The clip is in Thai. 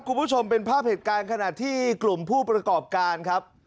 คุณผู้ชมเป็นภาพเหตุการณ์ขณะที่กลุ่มผู้ประกอบการครับ